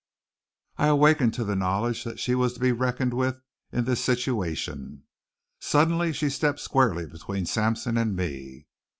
I awakened to the knowledge that she was to be reckoned with in this situation. Suddenly she stepped squarely between Sampson and me.